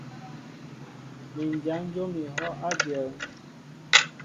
Mi n jan jǒm ehɔʼ a dyɔn.